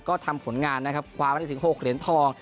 ก็ทำผลงานนะครับคว้ามาได้ถึง๖เหรียญทอง